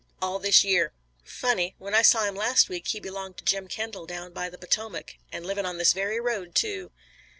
"All this year." "Funny. When I saw him last week he belonged to Jim Kendall down by the Potomac, an' livin' on this very road, too."